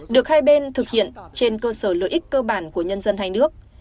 được hai bên thực hiện trên cơ sở lợi ích cơ bản của nhân dân hai nước